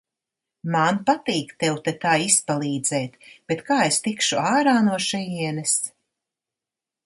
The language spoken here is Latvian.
Man patīk tev te tā izpalīdzēt, bet kā es tikšu ārā no šejienes?